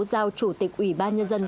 giao chủ tịch ủy ban nhân dân